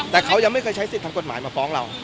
แต่เขายังไม่เคยใช้สิทธิ์ทางกฎหมายมาฟ้องเรา